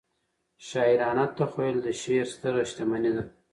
شاعرانه تخیل د شعر ستره شتمنۍ ده.